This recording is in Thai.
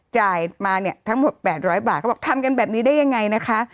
จ่ายมาเนี่ยทั้งหมด๘๐๐บาทเขาบอกทำกันแบบนี้ได้ยังไงนะคะ